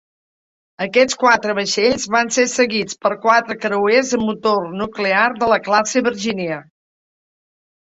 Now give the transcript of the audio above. Aquests quatre vaixells van ser seguits pels quatre creuers amb motor nuclear de la classe "Virginia".